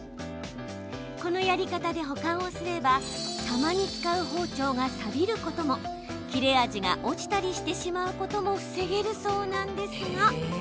このやり方で保管をすればたまに使う包丁がさびることも切れ味が落ちたりしてしまうことも防げるそうなんですが。